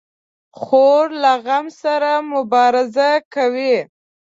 خور له غم سره مبارزه کوي.